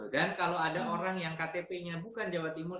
dan kalau ada orang yang ktp nya bukan jawa timur